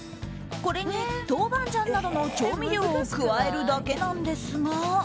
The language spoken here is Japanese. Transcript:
これに豆板醤などの調味料を加えるだけなんですが。